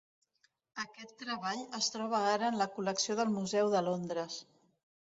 Aquest treball es troba ara en la col·lecció del Museu de Londres.